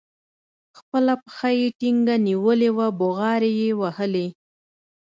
خپله پښه يې ټينګه نيولې وه بوغارې يې وهلې.